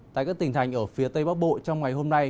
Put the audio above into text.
tại các tỉnh thành ở phía tây bắc bộ trong ngày hôm nay